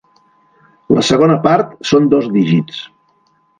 La segona part són dos dígits.